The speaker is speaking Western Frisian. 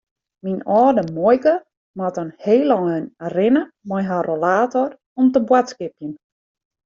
Myn âlde muoike moat in heel ein rinne mei har rollator om te boadskipjen.